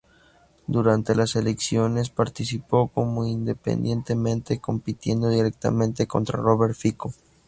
Durante las elecciones, participó como independiente, compitiendo directamente contra Robert Fico.